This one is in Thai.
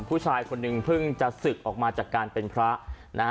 ผู้ชายคนหนึ่งเพิ่งจะศึกออกมาจากการเป็นพระนะฮะ